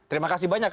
terima kasih banyak